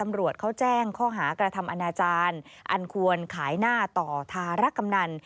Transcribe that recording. ตำรวจเขาแจ้งข้อหากระทำอนาจารย์อันควรขายหน้าต่อธารกำนัน